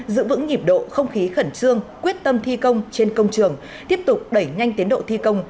giữ vững nhịp độ không khí khẩn trương quyết tâm thi công trên công trường tiếp tục đẩy nhanh tiến độ thi công